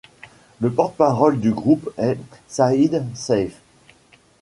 Le porte-parole du groupe est Saïd Seïf.